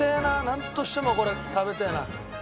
なんとしてもこれ食べてえな。